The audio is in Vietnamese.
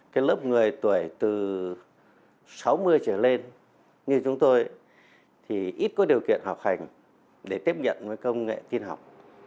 cái lớp người tuổi từ sáu mươi trở lên như chúng tôi thì ít có điều kiện học hành để tiếp nhận với công nghệ tin học